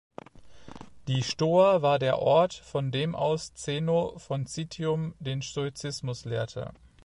Die Stoa war der Ort, von dem aus Zeno von Citium den Stoizismus lehrte.